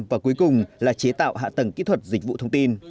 và cuối cùng là chế tạo hạ tầng kỹ thuật dịch vụ thông tin